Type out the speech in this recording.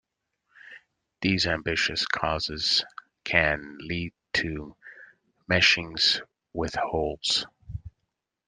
These ambiguous cases can lead to meshings with holes.